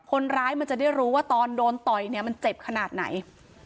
คนร้ายมันจะได้รู้ว่าตอนโดนต่อยเนี่ยมันเจ็บขนาดไหน